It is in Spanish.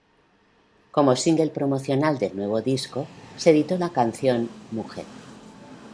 Como single promocional del nuevo disco se editó la canción "Mujer".